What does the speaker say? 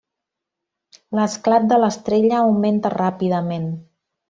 L'esclat de l'estrella augmenta ràpidament.